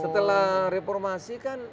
setelah reformasi kan